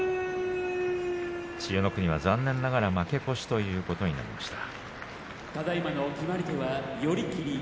千代の国は残念ながら負け越しということになりました。